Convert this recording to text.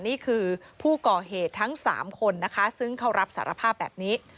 นี่คือผู้ก่อเหตุทั้ง๓คนนะคะซึ่งเขารับสารภาพแบบนี้